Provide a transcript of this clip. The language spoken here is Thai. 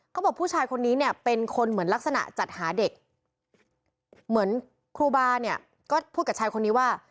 ผู้ชายคนนี้เนี่ยเป็นคนเหมือนลักษณะจัดหาเด็กเหมือนครูบาเนี่ยก็พูดกับชายคนนี้ว่า